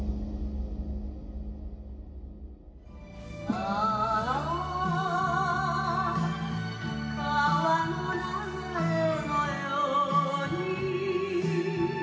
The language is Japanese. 「ああ川の流れのように」